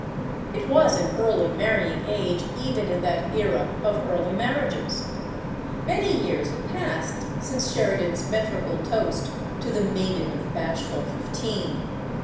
It was an early marrying age, even in that era of early marriages. Many years had passed since Sheri dan's metrical toast "to the maiden of bashful fifteen."